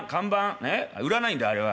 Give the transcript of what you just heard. ね売らないんだあれは。